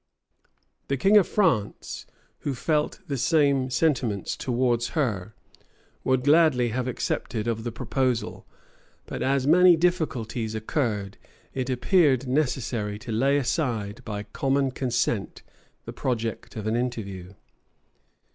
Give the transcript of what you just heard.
The king of France, who felt the same sentiments towards her, would gladly have accepted of the proposal; but as many difficulties occurred, it appeared necessary to lay aside, by common consent, the project of an interview.